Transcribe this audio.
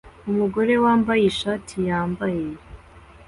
Umugore wambaye ishati yambaye